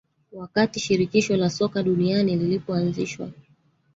wakati Shirikisho la Soka Duniani lilipoanzishwa